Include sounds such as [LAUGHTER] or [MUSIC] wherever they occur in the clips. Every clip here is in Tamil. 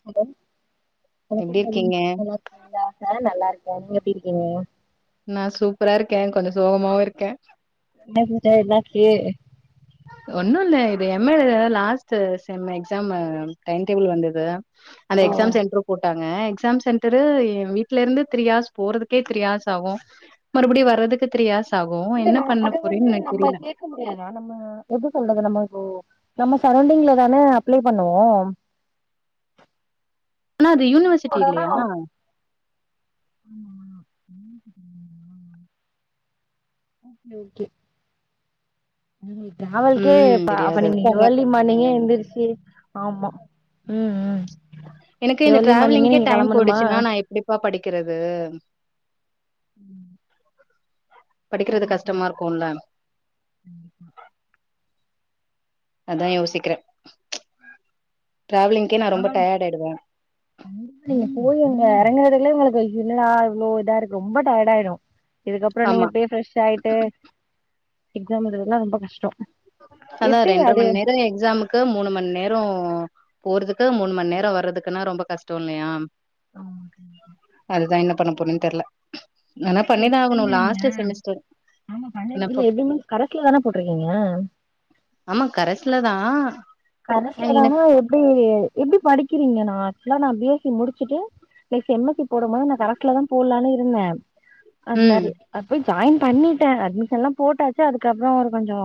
ஹலோ எப்டி வணக்கம் தோழி இருக்கீங்க நல்லாருக்கீங்ளா கம்லபீர்க்கீங்க நா சூப்பரா இருக்கே கொஞ்சோ சோகமாவு இருக்கே மேசேஜுஎனகு ஒன்னு இல்ல இது M A last sem exam time table வந்துது அந்த ஓ எக்ஸாம் சென்டர் போட் ங்க எக்ஸாம் சென்டரு வீட்டல இருந்து த்ரீஹர்ஸ் போறதுக்கே த்ரீஹர்ஸ் ஆகும் மறுபடியும் வர்து அதுக்கு த்ரீ ஆர்ஸ் இல்ல ந அது வந்து நம்ம கேட்க முடியாதா நம்ம எப்ப சொல்றது நம்ம இப்போ நம்ம சரௌண்டிங்ல தான அப்ளை பண்ணுவோம் [INAUDIBLE] ஆனா அது யூனிவர்சிட்டி இல்லையா ஆமா உ ஆமா ஓகே ஓகே ம் ட்ராவல்க்கே ம் ப்ப அப்ப தெரியாது நீங்க இருக்காங்க ஏர்லி மானிங்கே எந்திரிச்சு ஆமா ம் ம் எனக்கு இந்த ஏர்லி மார்னிங்கே டிராவலிங்கே நீங்க டைம் கெளம்பணுமா ஆ போயிடுச்சுன்னா நா எப்டிப்பா படிக்கிறது ம் படிக்கிறது என்ன கஷ்டமா பண்றது இருக்குல்ல கண்டிப்பா அதா யோசிக்கிற ட்ராவலிங்கே நா ரொம்ப டயர்ட் ஆயிடுவே நா எறங்கறதுலயே உங்களுக்கு ஒரு இல்லா இவ்ளோ இதா இருக்கு ரொம்ப டயட் ஆயிடு இதுக்கப்புறோ ஆமா நீங்க போய் ஃப்ரெஷ் ஆயிட்டு எக்ஸாம் எழுதுறதுலா ரொம்ப கஷ்டோ ஆன ரெண்ட்ர மண் நேர எக்ஸாமுக்கு மூணு மண் நேரோ போறதுக்கு மூணு மணி நேர வரதுக்குன்னா ரொம்ப கஷ்டொ இல்லையா ஆ ஓகே ஓகே அதுதா என்ன பண்ண போரன்னு தெரியல இப்ப எப்பிடிங்குரிங்க செமஸ்டர் ஆமா பண்ண என்னப்போ இல்ல எப்பிடி மீன்ஸ் கரஸ்லாதானோ போட்டிருக்கீங்க ஆமா கரஸ்ல தா எனக்கு கரஸ்லதானா எப்பிடி எப்பிடி படிக்கிறீங்க நா ஆக்சுலா நா பி எஸ் சி முடிச்சுட்டு எம் எஸ் சி போடும் போது நா கரஸ்ல தா போடலான்னு இருந்தே அது ம் நரி அது போய் ஜாயின் பண்ணிட்டே அட்மிஷன் எல்லாம் போட்டாச்சு அதுக்கப்புறோ ஒரு கொஞ்சோ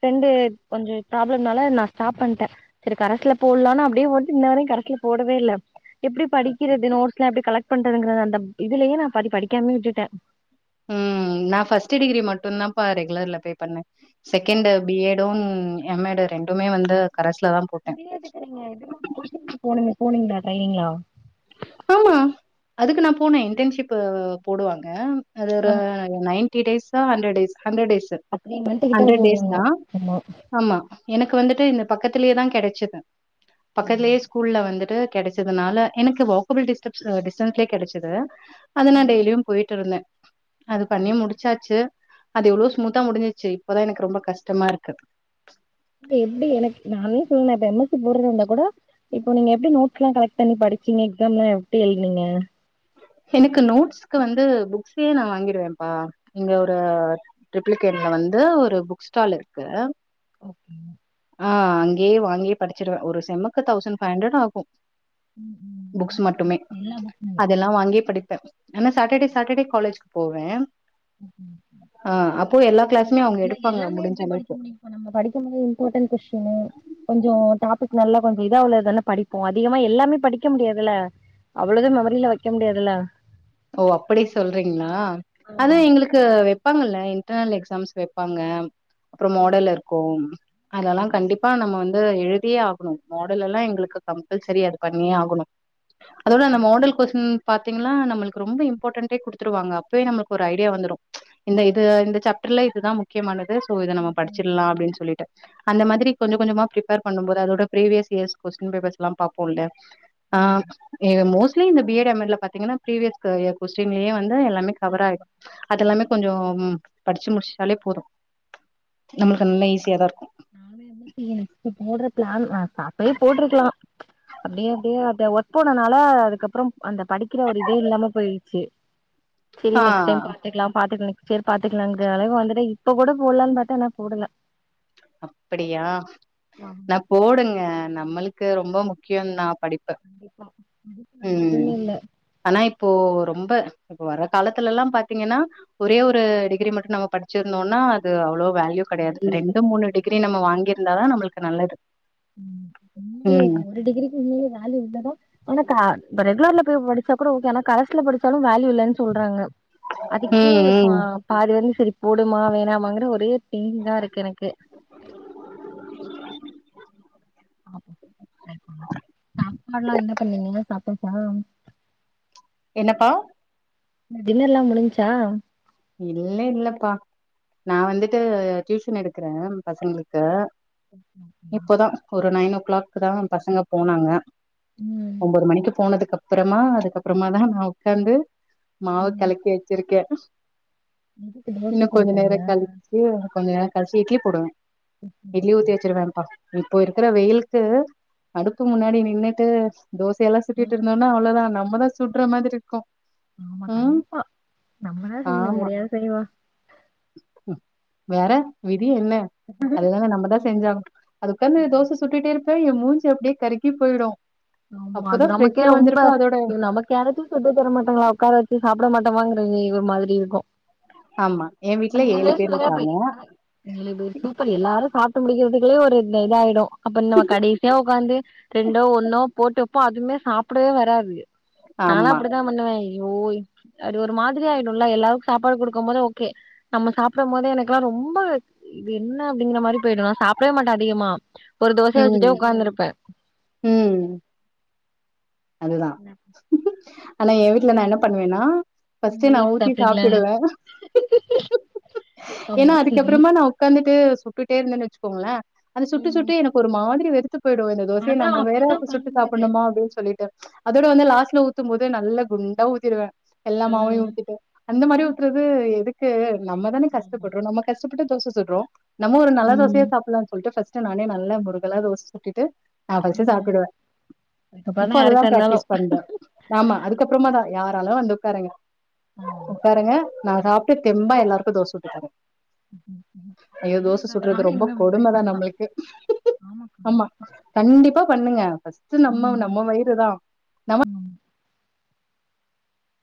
பிரண்டு கொஞ்சு ப்ராப்ளம்னால நா ஸ்டாப் பண்ணிட்டே செரி கரஸ்சுல போடலானா அப்படியே போட்டு இன்ன வரையு கரஸ்சுல போடவே இல்ல எப்பிடி படிக்கிறது நோட்ஸ் எல்லா எப்பிடி கலெக்ட் பண்றதுங்கறது அந்த இதுலயே நா பாதி படிக்காமே விட்டுட்டே உம் நா ஃபஸ்ட் டிகிரி மட்டு தான்ப்பா ரெகுலர்ல போய் பண்ணே செகண்ட் ஓ பி எடும் எம் எடும் ரெண்டுமே வந்து கரஸ்ல தா போட்டே இது எதுக்கு நீங்க இதுல்ல நீங்க கோச்சிங்குள போனிங்கல்ல ட்ரெயின்னிங்கலா ஆமா அதுக்கு நா போனே இன்டன்ஷிப் போடுவாங்க அது ஆ ஒரு நைன்த் ஃபிவ்டி டேஸ்ஸோ hundred days hundred days three month கிட்ட ஹண்ட்ரட் டேஸ் போடுவாங்க தா ஆமா ஆமா எனக்கு வந்துட்டு இந்த பக்கத்துலயே தா கெடைச்சது ஆமா. பக்கத்துலேயே ஸ்கூல்ல வந்துட்டு கெடச்சதுனால எனக்கு வாக்கபிள் டிஸ்டன்ஸ் டிஸ்டன்ஸ்லயே கெடச்சது அது நா ம். டெய்லியு போய்ட்ருந்தே அது பண்ணி முடிச்சாச்சு அது எவ்ளோ ஸ்மூத்தா முடிஞ்சிச்சு இப்பதா எனக்கு ரொம்ப கஷ்டமா இருக்கு ப்ப எப்டி எனக்கு நானே சொன்ன இப்ப எம் எஸ் சி போடறதா இருந்தா கோட இப்ப நீங்க எப்டி நோட்ஸ்லா கலெக்ட் பண்ணி படி ச்சிங்க எக்ஸாம்ல எப்டி எழுதுனிங்க எனக்கு நோட்ஸ்க்கு வந்து புக்ஸே நா வாங்கிடுவேம்ப்பா இங்க ஒரு ட்ரிப்ளிகேண் இங்க வந்து ஒரு புக் ஸ்டால் இருக்கு ஓகே ஆ அங்கேயே வாங்கி படிச்சிருவ ஒரு செம்முக்கு தௌசண்ட் ஃபைவ் ஹண்ட்ரட் ஆகு ம், ம். புக்ஸ் மட் எல்லா புக்குமே நா அங்கயே படிப்ப ஆனா சாட்டர்டே சாட்டர்டே காலேஜ்க்கு போவே ஓகே. ஆ அப்போ எல்லா கிளாஸ் இல்ல எல்லாமே எப்டி படிக்க முடியுங்க்கா நம்ம படிக்கும்போது இம்பார்டன் கொஸ்டினு கொஞ்ச டாபிக் நல்லா கொஞ்ச இதா உள்ளதானே படிப்போ அதிகமா எல்லாமே படிக்க முடியாதுல அவ்ள இத மெமரில வெக்க முடியாதுல ஓ அப்படி சொல்றிங்ளா அது ஆமா எங்ளுக்கு வெப்பாங்கல்ல இன்டர்னல் எக்ஸாம்ஸ் வெப்பாங்க அப்புற மாடல் இருக்கு அதெல்லா ஆமா. கண்டிப்பா நம்ம வந் து எழுதியே ஆகணு மாடல் எல்லா எங்ளுக்கு கம்பல்சரியா அது பண்ணியே ஆகணு அதோட அந்த மாடல் கொஸ்டின் பாத்திங்கனா நம்மளுக் ரொம்ப இம்பார்டன்டே குடுத்துருவாங்க அப்பவே நமக்கு ஒரு ஐடியா வந்துரு இந்த இது இந்த சேப்டர்லா இதுதா முக்யமானது சோ இத நம்ம ம் ம் படிச்சிடலா அப்டினு சொல்லிட் டு அந்த மாதிரி கொஞ்ச கொஞ்சமா ப்ரிப்பேர் பண்ணும் போது அதோட ப்ரீவியஸ் இயர்ஸ் கொஸ்டின் பேப்பர்ஸ் எல்லா பாப்போல்ல ஆ ம் அ மோஸ்ட்லி இந்த பி எட், எம் எட் ல பாத்திங்கனா ப்ரீவியஸ் கு இயர் கொஸ்டின்லயே வந்து எல்லாமே கவர் ஆயிடு அதெல்லாமே கொஞ்சம் படிச்சு முடிச்சிட்டாலே போது நம்மளுக்கு நல்லா ஈஸியா தா இருக்கு நானு என்ன செய்யனு இப்ப போடற ப்ளேன் நா அப்பயே போட்ருக்கலா அப்டி அப்டியே அ ஒர்க் போனனால அதுக்கப்புறம் அந்த படிக்கிற ஒரு இதே இல்லாம போயிடுச்சு [UNINTELLIGIBLE] சரி ஆ நெக்ஸ்ட் டைம் பாத்துக்லா பாத்துட்டு நெக்ஸ்ட் இயர் பாத்துக்லாங்ற அளவுக் வந்துட்ட இப்ப கூட போடலானு பாத்தே ஆனா போடல அப்படியா ஆமா நா போடுங்க நம்மளுக்கு ரொம்ப முக்கியந்தா படிப்பு கண்டிப்பா அதுக்குல்லா ம் எதுவுமே இல்ல ஆனா இப் போ ரொம்ப இப்ப வர்ற காலத்துலல்லா பாத்திங்கன்னா ஒரே ஒரு டிகிரி மட்டு நம்ம படிச்சிருந்தோனா அது அவ்ளோ வேல்யூ கெடையாது ரெண்டு மூணு டிகிரி நம்ம வாங்கிருந்தா தா நம்மளுக்கு நல்லது ம் உண்மயே ம் இப்ப ஒரு டிகிரிக்கு இங்க வேல்யூ இல்லதா ஆனா கா ரெகுலர்ல படிச்சா கூட ஓகே ஆனா கரஸ்ல படிச்சாலு வேல்யூ இல்லன் சொல்றாங்க அதுக்கே ம் இப்ப ம் பாதி வந்து சரி போடுமா வேணாமாங்கிற ஒரே ஆ இருக்கு எனக்கு ஆ சாப்பாடுல்லா என்ன பண்ணிங்க சாப்டாச்சா என்னப்பா என்ன டின்னர்ல்லா முடிஞ்சுச்சா இல்ல இல்லப்பா நா வந்துட்டு டியூஷன் எடுக்கறே பசங்களுக்கு ம் இப்போதா ஒரு நைன் ஓ கிளாக் தா பசங்க போனாங்க ம் ஒம்போது மணிக்கு போனதுக்கப்பறமா அதுக்கப்பறமா தா நா உக்காந்து மாவ ம். கலக்கி வச்சிருக்கே எதுக்கு தோச இன்னு சுட கொஞ்ச நேர போறீங்ளா கழிச்சு கொஞ்ச நேர கழிச்சி இட்லி போடுவே இட்லி ஊத்தி வச்சிருவேம்ப்பா இப்போ இருக்கிற வெயிலுக்கு அடுப்பு முன்னாடி நின்னுட்டு தோசையெல்லா சுட்டிட்டு தோச இருந்தோனா அவ்ளோதா நம்மளு சுடற மாதிரி இருக்கு ஆமா ம் கண்டிப்பா நம்மதா செய்யணு வேற ஆமா யாரு செய்யவா வேற விதி என்ன அதுதானே நம்மதா செஞ்சாக அதுக்காந்து தோசை சுட்டுட்டே இருப்ப ஏ மூஞ்சி அப்டியே கருக்கி போயிடு ஆமா அப்போதா அது நமக்கே ஃப்ரெஷ்ஷா ரொம்ப வந்திருப்ப அதோட இ நமக்கேரத்தையு சுட்டு தர மாட்டாங்களா உக்கார வச்சு சாப்ட மாட் இத வாங்கறது இது மாதிரி இருக்கு ஆமா என் வீட்ல ங்க ஏழு பேர் சொல்லுங்க இருக்காங்க [UNINTELLIGIBLE] சூப்பர் எல்லாரு சாப் முடிக்கிறதுக்குலே ஒரு இதாயிடு அப்ப நம்ம கடைசியா ஒக்காந்து ரெண்டோ ஒன்னோ போட்டு ப்போ அதுவுமே சாப்டவே வராது நாலா ஆமா அப்டித்தா பண்ணுவே ய்யோ அடி ஒரு மாதிரி ஆயிடும்ல எல்லாருக்கு சாப்பாடு குடுக்கு போது ஓகே நம்ம சாப்டும் போது எனக்குல்லா ரொம் ரொம்ப இது என்ன அப்படிங்கிற மாதிரி போயிடு நா சாப்டவே மாட்டே அதிகமா ஒரு தோச வச்சுட்டே ம் ஒக்காந்துருப்பே ம் அதுதா ஆனா ஏ வீட்டுல நா என்ன பண்ணுவேன்னா பஸ்டே நா ஊத்தி சாப்டுவே ஏன்னா ஆமா நம்ம அதுக்கப்புறமா நா உக்காந்துட்டு சுட்டுட்டே இருந்தன்னு வச்சுக்கோங்களே அது சுட்டு ம் சுட்டு எனக்கு ஒரு மாதிரி போயிடு இந்த தோசையை அதா நம் வேற அப்டிதா சுட்டு பண்ணுது சாப்பணுமா அப்பின்னு சொல்லிட்டு அதோட வந்து லாஸ்ட்ல ஊத்தும் போது நல்ல குண்டா ஊத்திருவே ஆ எல்லாமாவையு ஊத்திட்டு அந்த மாரி ஊத்துறது எதுக்கு நம்ம தானே ஆமா கஷ்டப்பறோ நம்ம கஷ்டப்பட்டு தோசை சுர்றோ நம்ம ஒரு நல்ல ம் தோசையா சாப்பிலானு சொல்லிட்டு நானே நல்ல முருகலா தோச சுட்டுட்டு ம் இப்ப பாரு அப்ப அதுதா பிராக்டிஸ் பண்றோ ஆமா அதுக்கப்புறமா தா யாராலு வந்து உக்காருங்க ஆமா பாருங்க நா சாப்ட்டு தெம்பா எல்லாருக்கு தோச சுட்டு தரே ஐயோ தோசை நல்லதுதா சுர்றது நானு ரொம்ப இனிமே அப்டி ட்ரை கொடுமைதா பண்லா நம்மளுக்கு ஆமா கண்டிப்பா பண்ணுங்க பஸ்ட்டு நம்ம ம் நம்ம வயிறு தா நம்ம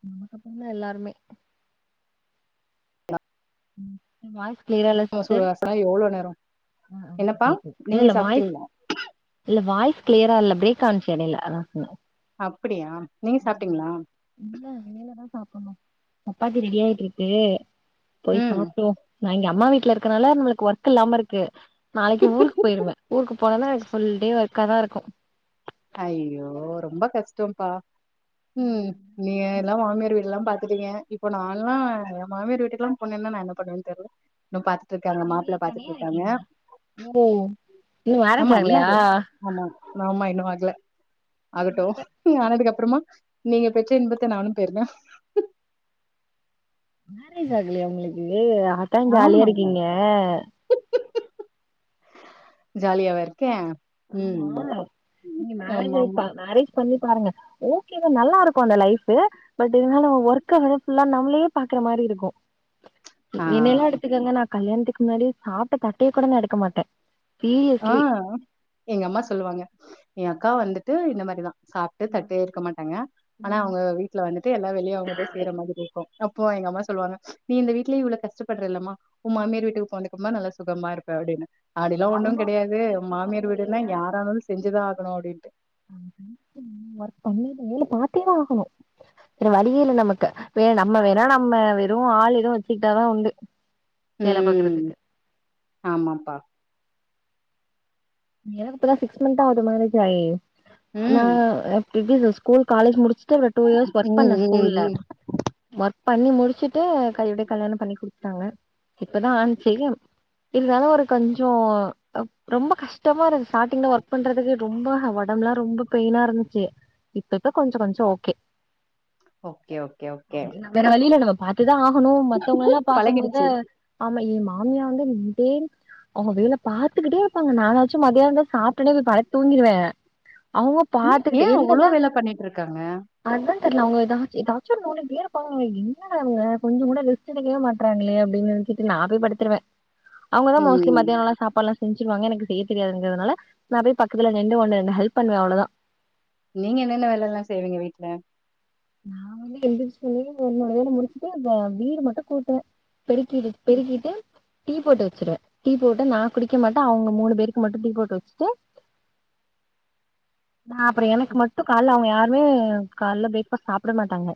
நமக்கு அப்பறந்தா எல்லாருமே ம் ஏ வாய்ஸ் கிளியரா நம்ம சிஸ்டர் எவ்ளோ நேரோ அ ஆ என்னப்பா கேக்கு நீங்க இல்ல வாய்ஸ் சாப்ட்டீங்களா இல்ல வாய்ஸ் கிளியரா இல்ல பிரேக் ஆச்சு எடையில அதா சொன்ன அப்படியா நீங்க ம் சாப்ட்டீங்களா இல்ல வேலதா சாப்பணு சப்பாத்தி ரெடியாய்ட்ருக்கு போய் ம் சாப்டுவோ நா எங்க அம்மா வீட்டுல இருக்கிறனால நம்ம ஒர்க் இல்லாம இருக்கு நாளைக்கு ஊருக்கு போயிருவே ஊருக்கு போனதுமே சொல் ஒறே ஒர்க்காதா இருக்கு ஐயோ ரொம்ப கஷ்டம்ப்பா ம் நீ எல்லா மாமியார் வீ ல்லா பாத்துட்டீங்க இப்போ நால்லா ஏ மாமியார் வீட்டுக்குல்லா போண்ணேன்னா நா என்ன பண்ணுவன்னு தெரியல இன்னு பாத் இருக்காங்க நீங்க மாப்பிள்ள தனியா பாத்துட்ருக்காங்க இருக்கீங்களா ஓ இன்னு நம்ம மேரேஜ் ஆகலையா அண்ணாரு ஆமா நம்மா இன்னு ல்ல ஆகட்டு ஆனதுக்கப் ப்புறமா நீங்க பெற்ற இன்பத்த நானு பெர்னு மேரேஜ் ஆகலயா உங்களுக்கு அத்தா ஜாலியா இருக்கீங்க ஜாலியாவ இருக்கே ஆமா ம் நீ மேரேஜ் ஆயி ப ஆமாமா மேரேஜ் பண்ணி பாருங்க ஓகே நல்லா இருக்குல்ல லைஃப்பு பட் இதனால உ ஓர்க்வேற ஃபுல்லா நம்மளையே பாக் இந்த மாரி இருக்கு ஆ என்னையெல்லா எடுத்துக்கங்க நா கல்யாணத்துக்கு முன்னாடி சாப்ட்ட தட்டையே கூட நா எடுக்க மாட்டே ஆ சீரியஸ்லீ எங்க அம்மா சொல்லுவாங்க எ அக்கா வந்துட்டு இந்த மாதிரிதா சாப்ட்டு தட்டே எடுக்க மாட்டாங்க ஆனா ம் அவங்க வீட்டுல வந்துட்டு எல்லா வேலையு அவங்க தா செய்ற மாதிரி இருக்கு அப்போ எங்க அம்மா சொல்லுவாங்க நீ இந்த வீட்டுலையே இவ்வள கஷ்டப்படுற இல்லம்மா உ மாமியார் வீட்டுக்கு போனதுக்கப்புறமா நல்லா சுகமா இருப்ப அப்டினு அப்டிலா ஒண்ணு ஆமா கெடையாது எங்க இருக்க மாமியார் போறீங்க வீடுனா நீங்க வேற யாரனாலு செஞ்சுதா ஆகணு அப்டின்ட்டு [INAUDIBLE] ஒர்க் பண்ணி வேல பாத்தேதா ஆகணு வேற வழியே இல்ல நமக்கு வேற நம்ம வேணா நம்ம வெறு ஆள் எது வெச்சுக்ட்டாதா உண்டு வேல ம் பாக்குறதுக்கு ஆமாப்பா ஏன்னா இப்ப தா சிக்ஸ் மன்ந்த் ஆகுது மேரேஜ் ஆயி நா ம் [UNINTELLIGIBLE] ஸ்கூல் காலேஜ் முடிச்சுட்டு ஒரு டூ யேஸ் ஒர்க் பண்ண ம் ம் ஸ்கூல்ல ம் ஒர்க் பண்ணி முடிச்சுட்டு கையோட்யே கல்யாணம் பண்ணி குடுத் துடாங்க இப்பதா ஆன் [UNINTELLIGIBLE] இருந்தாலு ஒரு கொஞ்சோ ரொம்ப கஷ் ட்டமா இருக் ஸ்டாடிங்ல ஒர்க் பண்றதுக்கு ரொம்ப அ ஒடம்ப்லா ரொம்ப பெயினா இருந்துச்சு இப்பிப்ப கொஞ்ச கொஞ்சோ ஓகே ஓகே ஓகே ஓகே வேற வழியில நம்ம பாத்துதா ஆகணு மத்தவங்க எல்லா பாக்குமோது பழகிடுச்சு ஆமா எ மாமியா வந்து நின்னுட்டே அவுங்க வேல பாத்துக்கிட்டே இருப்பாங்க நானா மதியானந்த்ல சாப்ட்டுனே போய் படுத் தூங்கிடுவே அவுங்க ஏ பாத்துக்கிட்டே ஏன் அவ்ளோ என்னதா வேல பண்ணிட்ருக்காங்க? அதா தெர்ல அவுங்க எதாச்சி எதாச்சி நோண்டிகிட்டே இருப்பாங்க என்னங்க இவுங்க கொஞ்சங்கூட ரெஸ்ட் எடுக்கவே மாட்றாங்ளே அப்டினு நெ ன்ச்சிட்டு நா போய் படுத்துருவே அவுங்கதா மோஸ்ட்லி ம் மத்தியானோலா சாப்பாட்ல்லா செஞ்சுருவாங்க எனக்கு செய் தெரியாதுங்கிறதுனால நா போய் பக்கத்துல நிண்டு கொண்டு எத்னா ஹெல்ப் பண்ணுவே அவ்ளதா நீங்க என்னென்ன வேல எல்லா செய்வீங்க வீட்ல நா வந்து எந்தச்சோனே என்னோட வேல முடிச்சுட்டு அந்த வீடு மட்டு கூட்டுவே பெருக்கிரு பெருக்கிட்டு டீ போட்டு வெச்சடுவே டீ போட்டு நா குடிக்க மாட்டே அவுங்க மூணு பேருக்கு மட்டு டீ போட்டு வெச்சுட்டு நா அப்புற எனக்கு மட்டு கால்ல அவுங்க யாருமே கால்ல பிரேக் ஃபஸ் சாப்ட மாட்டாங்க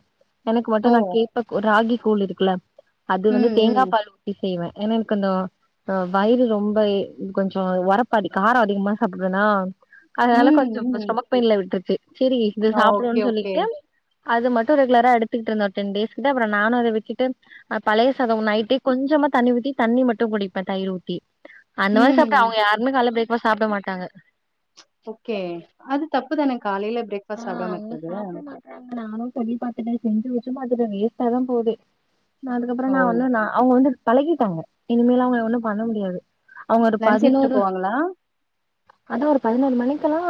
எனக்கு மட்டு ஓ! நா கேப்ப கூ ராகி கூழ் இருக்குல அது வந்து ம், தேங்கா ம். பால் ஊத்தி செய்வே ஏன்னா எனக்கு அந்த அ வயிறு ரொம்ப எ கொஞ்சோ ஒரப்பதி காரோ அதிகமா சாப்பிட்றனா அதனால ம், கொஞ்சோ ப ம். ஸ்டமக் பெயின்ல விட்ருச்சு செரி இது ஓகே, சாப்பிடுவோன் ஓகே. சொல்லிட்டு அது மட்டு ரெகுலரா எடுத்துக்கிட்ருந்தே ஒர் டென் டேஸ் கிட்ட அப்புறோ நானு அத விட்டுட்டு அ பழைய சாதோ நைட்டே கொஞ் சமா தண்ணி ஊத்தி தண்ணி மட்டு குடிப்பே தயிரூத்தி அந்த மாரி ம். சாப்ட்ட அவுங்க யாருமே கால்ல பிரேக்ஃபாஸ் சாப்ட மாட்டாங்க ஓகே அது தப்புதானேங் காலையில ஆ பிரேக்ஃபாஸ்ட் சாப்டாம அவங்க இருக்குர்து சாப்ட மாட்றாங்க நானு சொல்லி பாத்துட்டே செஞ்சு வெச்சு பாத்துட்டே வேஸ்ட்டா தா போது அதுக்கப்புற ஓ! நா வந்து நா அவுங்க வந்து பழகிட்டாங்க இனிமேல் அவுங்க ஒண்ணு பண்ண முடியாது அவுங்க ஒரு லன்ச் எடுத்துட்டு பதினோரு போவாங்களா? அதா ஒரு பதினோர் மணிக்கெல்லா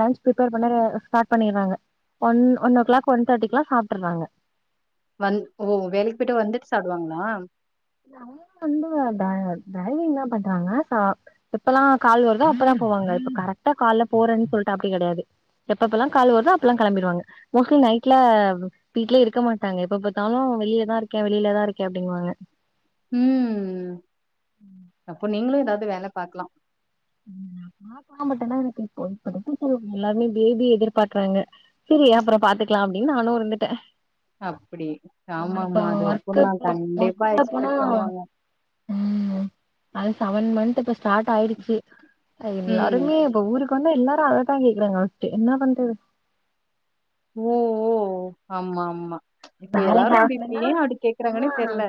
லன்ச் ம் ப்ரிப்பேர் பண்ண ர அ ஸ்டாட் பண்ணிற்றாங்க one one o'clock one தேட்டிக்ல்லா சாப்டுற்றாங்க வந் ஓ வேலைக் போய்ட்டு வந்துட்டு சாப்டுவாங்ளா இல்ல அவுங்களோ வந்து ட ட்ரைவிங்ல்லா பண்றாங்க சோ எப்பல்லா கால் வருதோ அப்பல்லா போவாங் க இப்ப கரெக்டா கால்ல போறேன் சொல்ட்டு அப்டி கெடயாது எப்பப்பல்லா கால் வருதோ அப்பெல்லா கெளம்பிடுவாங்க மோஸ்லி நைட்ல வீட்லே இருக்க மாட்டாங்க எப்ப பாத்தாலு வெளியதா இருக்கே வெளியில தா இருக்க அப்டின்வாங்க ம் ம் அப்போ நீங்களு எதாவ்து வேல பாக்லா ம் நா [INAUDIBLE] பட்டனா எனக்கு இப்போ [INAUDIBLE] எல்லாருமே பேபி எதிர்பாக்றாங்க செரி அப்புற பாத்துக் லா அப்டின் நானு இருந்துட்டே அப்படி. ஆமா இப்ப ஆமாமா. அது ஒர்க்கு இருக்கும்தான். குள்ள ஒர்க்கு கண்டிப்பா குள்ள போனா எக்ஸ்பெக்ட் பண்ணுவாங்க. ம் அது செவன் மந்த் இப்ப ஸ்டாட் ஆயிருச்சி எ ம். எல்லாருமே இப்ப ஊருக் வந்தா எல்லாரு அததா கேக்குறாங்க பஸ்டு என்னா பண்றது ஓ ஓ ஆமா ஆமா இப்ப மேரேஜ் எல்லாரும் அப்டி இப்ப ஆகலனா ஏன் அப்டி ஆ கேக்குறாங்கன்னே தெர்ல.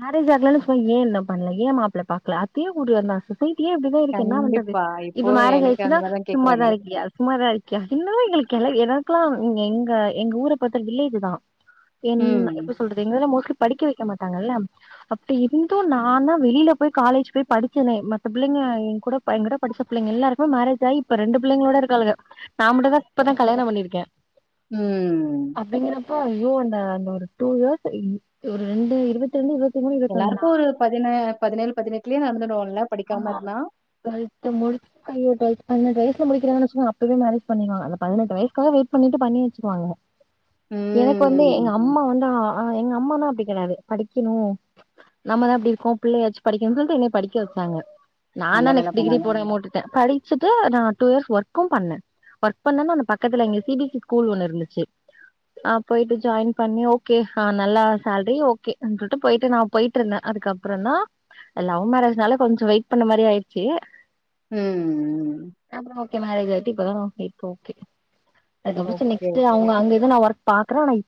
மேரேஜ் ஆகலன்னு சொல் ஏன் பண்ணல ஏன் மாப்ள பாக்கல அதே ஊர்ல இருந்தாங்க வீட்டுலயே அப்டிதா இருக்கு என்னா பண்றது கண்டிப்பா. இப்ப இப்போ மேரேஜ் எனக்கு ஆய்ச்சுன்னா அந்த மாரி தான் சும்மாதா கேக்குறாங்க. இருக்கியா சும்மாதா இருக்கியா இன்னு இவுங்க கெழவி எதா இப்பல்லா நீங்க எங்க எங்க ஊர பாத்தா வில்லேஜு தா என் ம். எப்டி சொல்றது எங்கதுல மோஸ்ட்லி படிக்க வக்க மாட்டாங்கல்ல அப்டி இருந்து நானா வெளில போய் காலேஜ் போய் படுச்சனே மத்த பிள்ளைங்க க ஏன் கூட ப என்கிட்ட படுச்ச பிள்ளங்க எல்லாருக்குமே மேரேஜ் ஆயி இப்ப ரெண்டு பிள்ளைங்களோட இருக்காலுக நான்மட்டு தா இப்பதா கல்யாணம் பண்ணிருக்கே ம். அப்டிங்கறப்போ அய்யோ அந்த அந்த ஒரு டூ இயர்ஸ் ஒரு ரெண்டு இருவத் ரெண்டு இருவத் எல்லாருக்கு ஒரு பதினு பதினேழு பதினெட்டுலயே நடந்துடு ஆமா படிப்பு முடுச்ச [INAUDIBLE] பிளஸ் டூ முடிக்கிறவங்கள சும்மா அப்பயே மேரேஜ் பண்ணிற்வாங்க அந்த பதினெட்டு வயசுக்காக வெய்ட் பண்ணிட்டு பண்ணி வச்சுறுவாங்க எனக்கு வந்து ம். எங்க அம்மா வந்து எங்க அம்மா நா அப்டி கெடையாது படிக்கணு நம்ம தா இப்டி இருக்கோ பிள்ளையாச்சு படிக்கணு சொல்லிட்டு என்ன படிக்க விட்டாங்க நான நல்ல தா வேல நெக்ஸ்ட் டிகிரி பண்ணாங்க. போடாம விட்டுட்டே படுய்ச்சுட்டு நா டூ இயர்ஸ் ஒர்க்கும் பண்ணே ஒர்க் பண்ணனா அந்த பக்கத்துல இங்க C B S C school ஒன்னு இருந்துச்சு ஆ போய்ட்டு ஜாய்ன் பண்ணி ஓகே ஆ நல்லா சேல்ரி ஓகே ம் சொல்லிட்டு போய்ட்டு நா போய்ட்டுருந்தே அதுக்கப்பறோ தா லவ் மேரேஜ்னால கொஞ்சோ வெயிட் பண்ண மாரி ஆய்ச்சு ம் ம் கே மேரேஜ் ஆய்டு இப்பதா [UNINTELLIGIBLE] ஓகே அதுக்கப்பறோ சேர் ஓகே, நெக்ஸ்டு ஓகே. அவுங்க அங்க எது நா ஒர்க் பாக்கறேன் வை